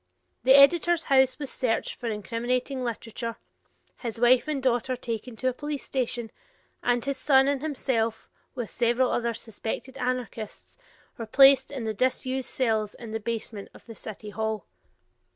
The editor's house was searched for incriminating literature, his wife and daughter taken to a police station, and his son and himself, with several other suspected anarchists, were placed in the disused cells in the basement of the city hall.